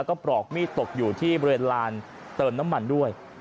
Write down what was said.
ก็ปลอกมีดตกอยู่ที่บริเวณลานเติมน้ำมันด้วย